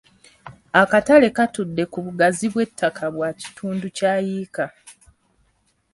Akatale katudde ku bugazi bw'ettaka bwa kitundu kya yiika.